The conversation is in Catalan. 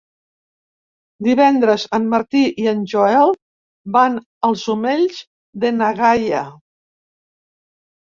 Divendres en Martí i en Joel van als Omells de na Gaia.